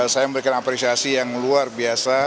saya memberikan apresiasi yang luar biasa